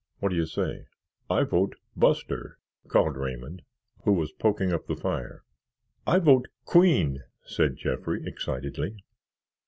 What do you say?" "I vote 'Buster'!" called Raymond, who was poking up the fire. "I vote 'Queen'!" said Jeffrey, excitedly.